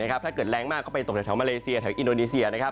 ถ้าเกิดแรงมากก็ไปตกแถวมาเลเซียแถวอินโดนีเซีย